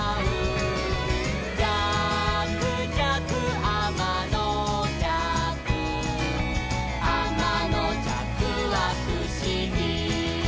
「じゃくじゃくあまのじゃく」「あまのじゃくはふしぎ」